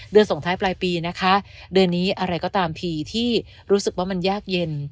ส่งท้ายปลายปีนะคะเดือนนี้อะไรก็ตามทีที่รู้สึกว่ามันยากเย็น